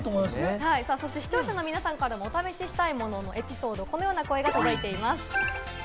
視聴者の皆さんからもお試ししたいもののエピソード、こんな物が届いています。